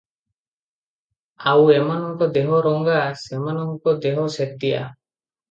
ଆଉ ଏମାନଙ୍କ ଦେହ ରଙ୍ଗା, ସେମାନଙ୍କ ଦେହ ଶେତିଆ ।"